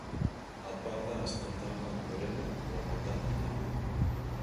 Аҙбарҙа ысҡындырған бүрене урмандан эҙләмә.